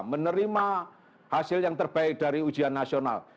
menerima hasil yang terbaik dari ujian nasional